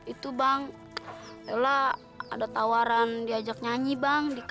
itu bang ella ada tawaran diajak nyanyi bang di kb